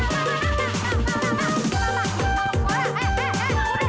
gue harus kelawan